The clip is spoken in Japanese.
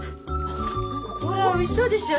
ほらおいしそうでしょ